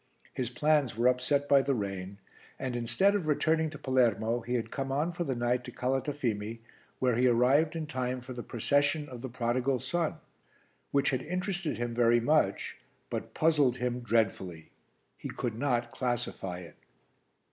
His plans were upset by the rain and, instead of returning to Palermo, he had come on for the night to Calatafimi, where he arrived in time for the procession of The Prodigal Son which had interested him very much but puzzled him dreadfully. He could not classify it.